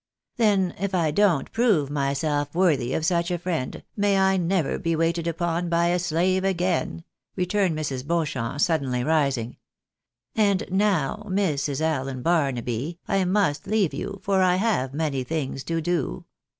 " Then if I don't prove myself worthy of such a friend, may I never be waited upon by a slave again," returned Mrs. Beauchamp, suddenly rising. " And now, Mrs. Allen Barnaby, I must leave you, for I have many things to do.